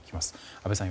阿部さん